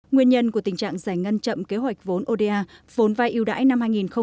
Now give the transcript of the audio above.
nguyên nhân của tình trạng giải ngân chậm kế hoạch vốn oda vốn vai yêu đại năm hai nghìn một mươi chín